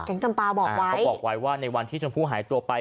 จำปาบอกไว้เขาบอกไว้ว่าในวันที่ชมพู่หายตัวไป